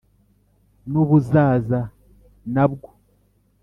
n ubuzaza na bwo